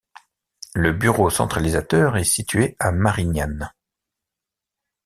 Le bureau centralisateur est situé à Marignane.